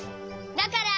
だから。